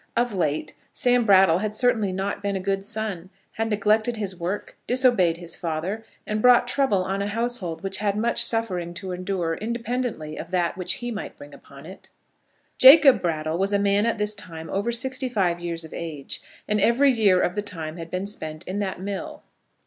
Of late Sam Brattle had certainly not been a good son, had neglected his work, disobeyed his father, and brought trouble on a household which had much suffering to endure independently of that which he might bring upon it. Jacob Brattle was a man at this time over sixty five years of age, and every year of the time had been spent in that mill.